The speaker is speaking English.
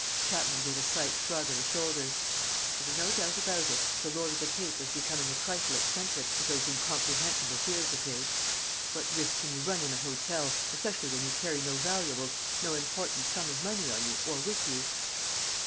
Chapman gave a slight shrug of the shoulders. There was no doubt about it, the Lord of the Cape was becoming a trifle eccentric, with those incomprehensible fears of his. What risk can you run in an hotel, especially when you carry no valuables, no important sum of money on you or with you?